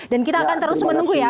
dan kita akan terus menunggu ya